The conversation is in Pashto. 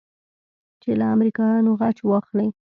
چې له امريکايانو غچ واخلې.